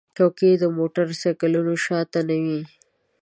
چوکۍ د موټر سایکل شا ته نه وي.